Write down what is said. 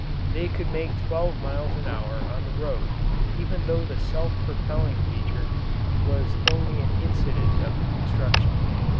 They could make twelve miles an hour on the road even though the self propelling feature was only an incident of the construction.